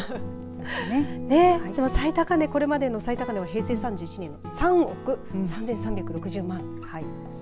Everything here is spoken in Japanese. でも最高値、これまでの最高値は平成３１年の３億３３６０万